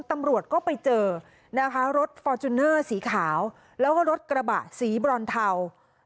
ตำรวจก็ไปเจอนะคะรถฟอร์จูเนอร์สีขาวแล้วก็รถกระบะสีบรอนเทา